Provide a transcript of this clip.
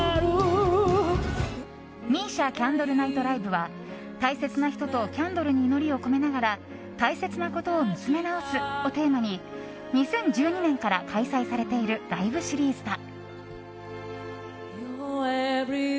ＭＩＳＩＡＣＡＮＤＬＥＮＩＧＨＴＬＩＶＥは大切な人とキャンドルに祈りを込めながら大切なことを見つめ直すをテーマに２０１２年から開催されているライブシリーズだ。